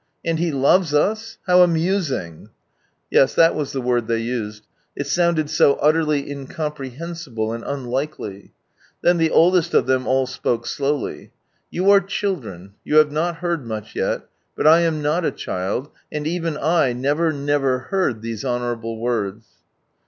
" And He /oj es us ; how amusing !" Yes, that was the word they used. It sounded so utterly incomprehensible and unlikely. Then the oldest of ihem all spoke slowly. " You are children, you have not iieard much yet, but I am not a child, and even I never, never heard these honourable words